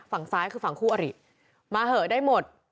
ฝั่งซ้ายคือฝั่งคู่อริมาเหอะได้หมด